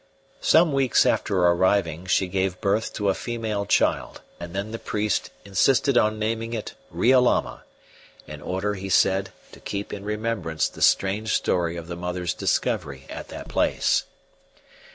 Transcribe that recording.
Some weeks after arriving she gave birth to a female child, and then the priest insisted on naming it Riolama, in order, he said, to keep in remembrance the strange story of the mother's discovery at that place.